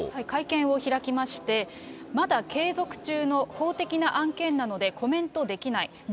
会見を開きまして、まだ継続中の法的な案件なので、コメントできない。